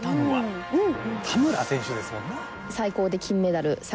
「田村選手」ですもんね。